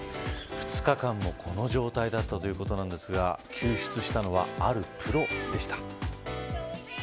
２日間もこの状態だったということなんですが救出したのはあるプロでした。